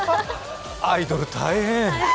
アイドル大変。